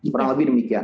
kurang lebih demikian